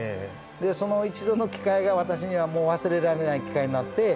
その一度の機会が、私には忘れられない機会になって。